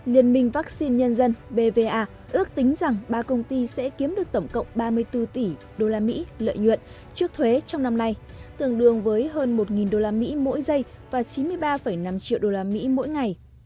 liên minh vaccine nhân dân bva ước tính rằng ba công ty sẽ kiếm được tổng cộng ba mươi bốn tỷ usd lợi nhuận trước thuế trong năm nay tương đương với hơn một usd mỗi giây và chín mươi ba năm triệu usd mỗi ngày